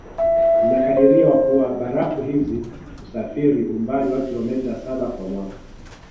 Inakadiriwa kua barafu hizi husafiri umbali wa kilometa saba kwa mwaka